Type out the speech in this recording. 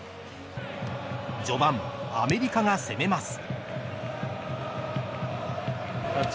序盤、アメリカが攻めます。